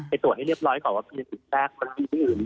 ไปตรวจให้เรียบร้อยก่อนว่าคือจริงแปลกมันมีอะไรอื่น